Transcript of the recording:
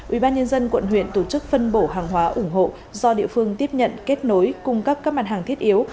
ubnd quận huyện tổ chức phân bổ hàng hóa ủng hộ do địa phương tiếp nhận kết nối cung cấp các mặt hàng thiết yếu